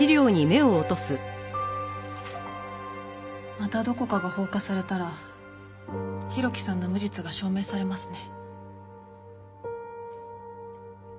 またどこかが放火されたら浩喜さんの無実が証明されますね。